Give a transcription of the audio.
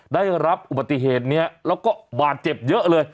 ได้รับอุบัติเหตุนี้แล้วก็บาดเจ็บเยอะเลย